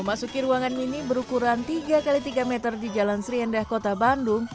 memasuki ruangan mini berukuran tiga x tiga meter di jalan seriendah kota bandung